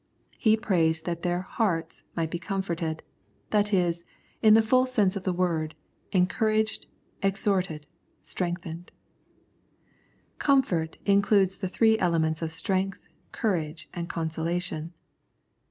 He prays that their " hearts " might be comforted — that is, in the full sense of the word, encouraged, ex horted, strengthened. " Comfort " includes the three elements of strength, courage, and consolation.